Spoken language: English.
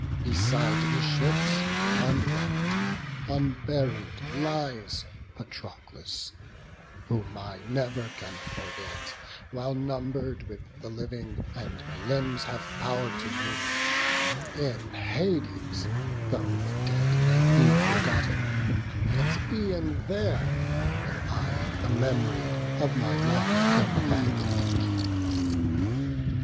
Beside the ships, unwept, unburied, lies Patroclus: whom I never can forget, While number'd with the living, and my limbs Have pow'r to move; in Hades though the dead May be forgotten, yet e'en there will I The mem'ry of my lov'd companion keep.